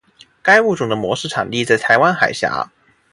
该物种的模式产地在台湾海峡。